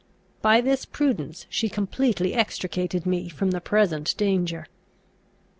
By this prudence she completely extricated me from the present danger.